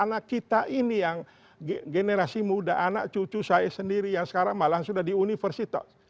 anak kita ini yang generasi muda anak cucu saya sendiri yang sekarang malah sudah di universitas